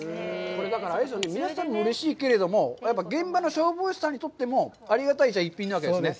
これ、だから、皆さんにもうれしいけれども、現場の消防士さんにとってもありがたい一品なわけですね。